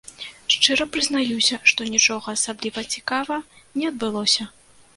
Шчыра прызнаюся, што нічога асабліва цікава не адбылося.